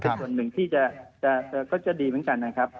เป็นส่วนหนึ่งที่จะดีเหมือนกันนะครับ